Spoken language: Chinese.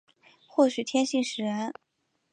或许天性使然